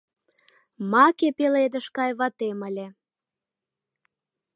Маке пеледыш гай ватем ыле